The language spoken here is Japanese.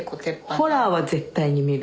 ホラーは絶対に見る。